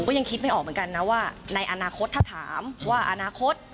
ยังคิดไม่ออกเหมือนกันนะว่าในอนาคตถ้าถามว่าอนาคต